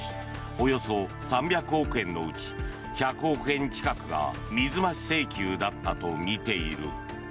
およそ３００億円のうち１００億円近くが水増し請求だったとみている。